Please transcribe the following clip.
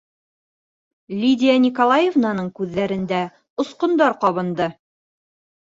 - Лидия Николаевнаның күҙҙәрендә осҡондар ҡабынды.